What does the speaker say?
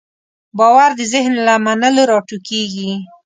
باور د ذهن له منلو راټوکېږي.